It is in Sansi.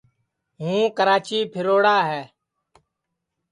ہُوں کِراچی پھروڑا ہے